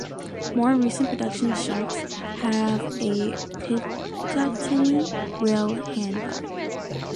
More recent production Shrikes have a Picatinny rail handguard.